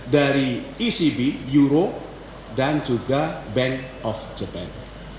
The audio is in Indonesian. dari ecb euro dan juga bank of japan